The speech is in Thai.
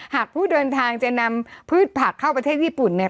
หากผู้เดินทางจะนำพืชผักเข้าประเทศญี่ปุ่นเนี่ย